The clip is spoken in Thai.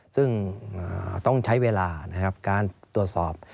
ซึ่งต้องใช้เวลานะครับการตรวจสอบ